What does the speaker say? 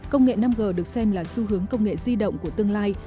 công nghệ năm g được xem là xu hướng công nghệ di động của tương lai